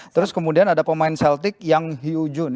terus kemudian ada pemain celtic yang hugh june